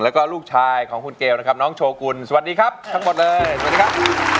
แล้วก็ลูกชายของคุณเกลนะครับน้องโชกุลสวัสดีครับทั้งหมดเลยสวัสดีครับ